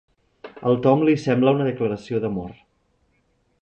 Al Tom li sembla una declaració d'amor.